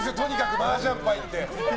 マージャン牌って。